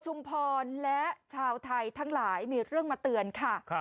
พรและชาวไทยทั้งหลายมีเรื่องมาเตือนค่ะ